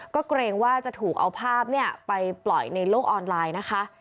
ก็เกรงว่าจะถูกเอาภาพไปปล่อยในโลกออนไลน์นะคะ